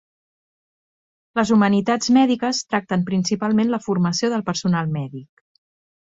Les humanitats mèdiques tracten principalment la formació del personal mèdic.